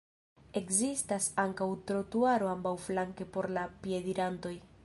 Ekzistas ankaŭ trotuaro ambaŭflanke por la piedirantoj.